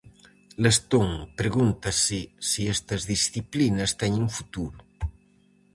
Lestón pregúntase se estas disciplinas teñen futuro.